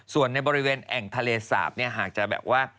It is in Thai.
ส่วนในบริเวณแอ่งทะเลสาบเนี่ยหากจะแบบว่า